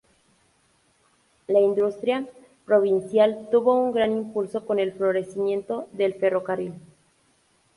La industria provincial tuvo un gran impulso con el florecimiento del ferrocarril.